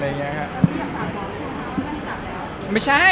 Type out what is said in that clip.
แล้วคุณจะตามบอกคุณนะว่ามันจับแล้ว